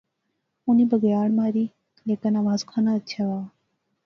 اُنی بگیاڑ ماری۔۔۔ لیکن آواز کھاناں اچھے وہا